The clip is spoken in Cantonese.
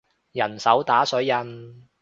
人手打水印